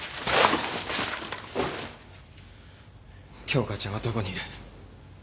京花ちゃんはどこにいる？